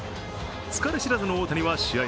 疲れ知らずの大谷は試合